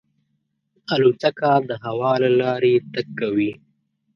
الوتکه د هوا له لارې تګ کوي.